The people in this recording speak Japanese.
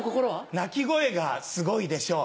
鳴き声がすごいでしょう。